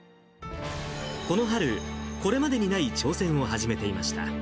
この春、これまでにない挑戦を始めていました。